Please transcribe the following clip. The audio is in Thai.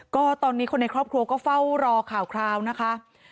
ก็ตอนนี้คนในครอบครัวก็เฝ้ารอข่าวคราวนะคะ